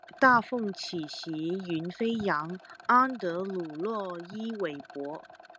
大風起兮雲飛揚，安德魯洛伊韋伯